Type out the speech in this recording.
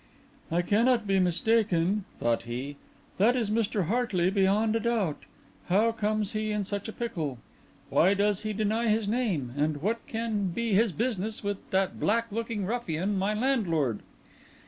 "I cannot be mistaken," thought he. "That is Mr. Hartley beyond a doubt. How comes he in such a pickle? why does he deny his name? and what can be his business with that black looking ruffian, my landlord?"